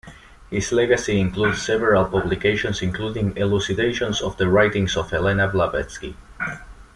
His legacy includes several publications, including elucidations of the writings of Helena Blavatsky.